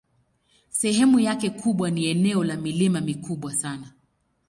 Sehemu yake kubwa ni eneo la milima mikubwa sana.